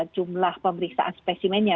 jumlah pemeriksaan spesimennya